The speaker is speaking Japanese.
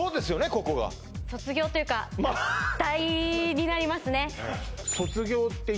ここが卒業というか脱退になりますね